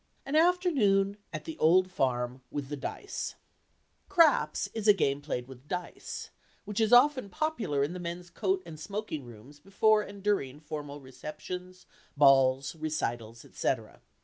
AN AFTERNOON AT THE OLD FARM WITH THE DICE "Craps" is a game played with dice, which is often popular in the men's coat and smoking rooms before and during formal receptions, balls, recitals, etcetera.